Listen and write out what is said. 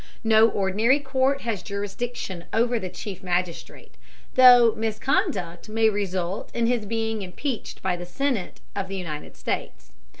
No ordinary court has jurisdiction over the Chief Magistrate, though misconduct may result in his being impeached by the Senate of the United States.